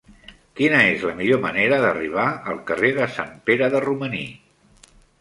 Quina és la millor manera d'arribar al carrer de Sant Pere de Romaní?